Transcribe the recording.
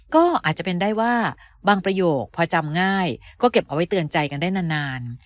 ก็อาจจะเป็นได้ว่าบางประโยคพอจำง่ายก็เก็บเอาไว้เตือนใจกันได้นาน